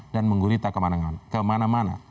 dan menggurita kemana mana